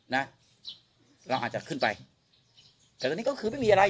นะเราอาจจะขึ้นไปแต่ตอนนี้ก็คือไม่มีอะไร